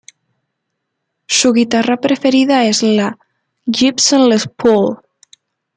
Su guitarra preferida es la Gibson Les Paul.